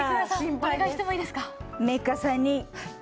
お願いしてもいいですか？